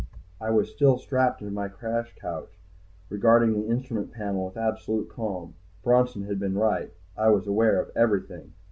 I was still strapped to my crash couch, regarding the instrument panel with absolute calm. Bronson had been right. I was aware of everything.